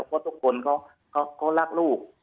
เพราะทุกคนเขารักลูก